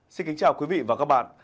xin kính chào quý vị và các bạn